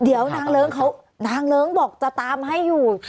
เดี๋ยวนางเลิ้งเขานางเลิ้งบอกจะตามให้อยู่